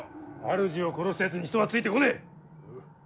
主を殺したやつに人はついてこねえ。